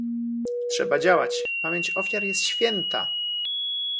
Trzeba działać - pamięć ofiar jest święta!"